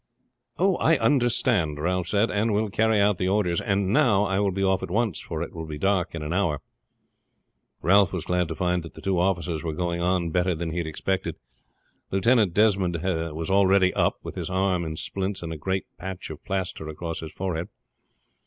"I understand," Ralph said, "and will carry out the orders; and now I will be off at once, for it will be dark in an hour." Ralph was glad to find that the two officers were going on better than he had expected. Lieutenant Desmond was already up, with his arm in splints and a great patch of plaster across his forehead.